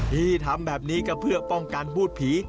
ที่ทำแบบนี้ก็เพื่อป้องกันพูดผี